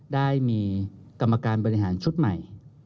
ได้มีกรรมการบริหารชุดใหม่